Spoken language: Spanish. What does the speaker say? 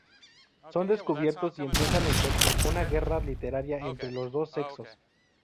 Son descubiertos y empieza entonces una guerra literaria entre los dos sexos.